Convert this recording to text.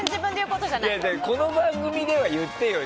この番組では言ってよ